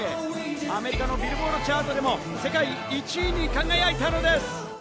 アメリカのビルボード・チャートでも世界１位に輝いたのです。